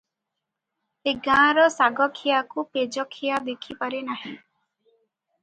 ଏ ଗାଁର ଶାଗଖିଆକୁ ପେଜଖିଆ ଦେଖିପାରେ ନାହିଁ ।